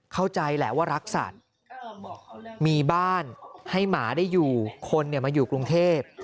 เข้าใจแหละว่ารักสัตว์มีบ้านให้หมาได้อยู่คนมาอยู่กรุงเทพ